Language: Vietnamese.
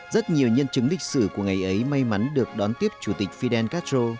rất nhiều nhân chứng lịch sử của ngày ấy may mắn được đón tiếp chủ tịch fidel castro